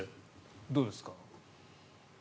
どうですか？